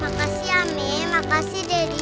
makasih ya mie makasih deddy